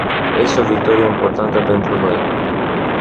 Este o victorie importantă pentru noi.